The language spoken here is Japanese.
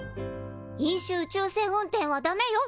飲酒宇宙船運転はダメよ